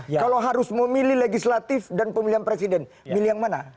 kalau harus memilih legislatif dan pemilihan presiden milih yang mana